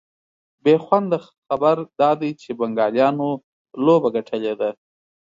بېخونده خبر دا دی چي بنګالیانو لوبه ګټلې ده